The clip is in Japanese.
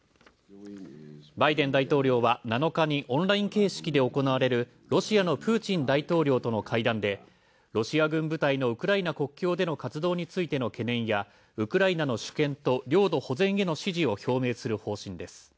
バイデン大統領は７日にオンライン形式で行われるロシアのプーチン大統領との会談で、ロシア軍部隊のウクライナ国境での活動についての懸念やウクライナの主権と領土保全への支持を表明する方針です。